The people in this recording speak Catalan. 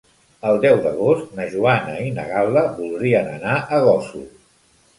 El deu d'agost na Joana i na Gal·la voldrien anar a Gósol.